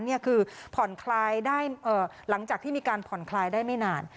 นี่คือผ่อนคลายได้หลังจากที่มีการผ่อนคลายได้ไม่นาน